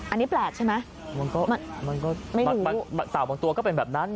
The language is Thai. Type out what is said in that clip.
อันนี้แปลกใช่ไหมมันก็ไม่รู้เต่าบางตัวก็เป็นแบบนั้นเนี่ย